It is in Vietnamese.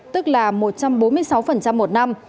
tức là một trăm bốn mươi sáu một năm